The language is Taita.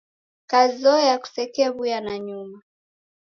Kazoya kusekew'uya nanyuma.